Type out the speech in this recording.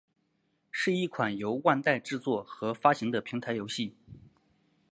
是一款由万代制作和发行的平台游戏。